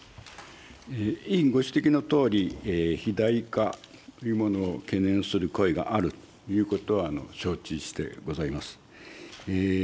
委員ご指摘のとおり、肥大化というものを懸念する声があるということは承知してございます。